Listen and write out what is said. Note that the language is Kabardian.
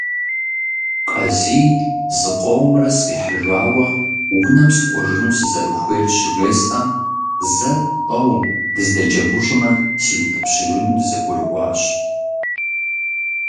Къазий зыкъомрэ сфӀихьыжауэ, унэм сыкӀуэжыну сызэрыхуейр щыжесӀэм, зэ–тӀэу дызэдэджэгужмэ, сиутӏыпщыжыну дызэгурыӏуащ.